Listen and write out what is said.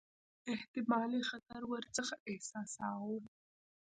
احتمالي خطر ورڅخه احساساوه.